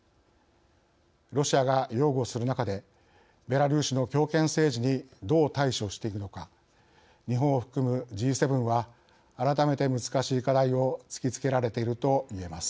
ロシアが擁護する中でベラルーシの強権政治にどう対処していくのか日本を含むＧ７は改めて難しい課題を突きつけられているといえます。